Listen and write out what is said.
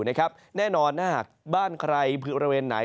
แน่นอนถ้าหากบ้านใครบริเวณไหน